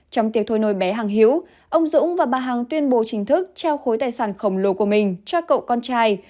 trong tiệc thôi nồi bé hằng hiễu ông dũng và bà hằng tuyên bố chính thức trao khối tài sản khổng lồ của mình cho cậu con trai